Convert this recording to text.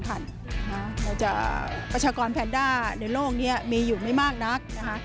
ประชากรแพนด้าในโลกนี้มีอยู่ไม่มากนักนะคะ